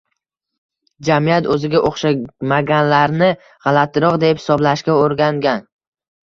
Jamiyat o’ziga o’xshamaganlarni g’alatiroq deb hisoblashga o’rgangan